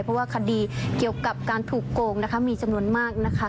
เพราะว่าคดีเกี่ยวกับการถูกโกงนะคะมีจำนวนมากนะคะ